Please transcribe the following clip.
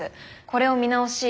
これを見直し